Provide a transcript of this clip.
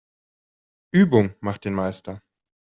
Übung macht den Meister.